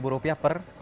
per satu liter